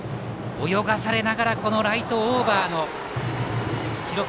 泳がされながらこのライトオーバーの記録